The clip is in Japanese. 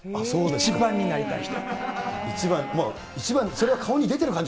一番になりたい人。